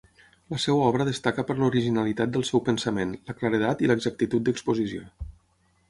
La seva obra destaca per l'originalitat del seu pensament, la claredat i l'exactitud d'exposició.